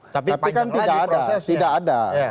tapi kan tidak ada